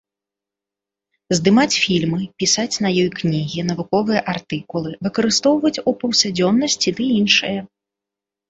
Здымаць фільмы, пісаць на ёй кнігі, навуковыя артыкулы, выкарыстоўваць у паўсядзённасці ды іншае.